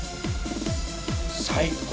最高！